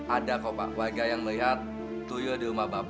ada kok pak warga yang melihat toyo di rumah bapak